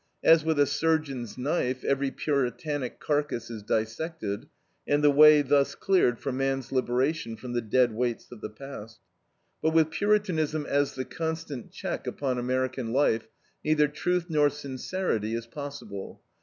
As with a surgeon's knife every Puritanic carcass is dissected, and the way thus cleared for man's liberation from the dead weights of the past. But with Puritanism as the constant check upon American life, neither truth nor sincerity is possible.